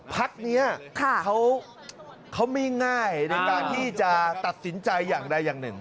พักนี้เขาไม่ง่ายในการที่จะตัดสินใจอย่างใดอย่างหนึ่ง